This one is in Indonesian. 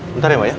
bentar ya mbak ya